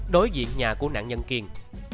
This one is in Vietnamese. đối diện nhà của nạn nhân kiên